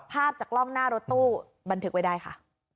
ภาพจากกล้องหน้ารถตู้บันทึกไว้ได้ค่ะ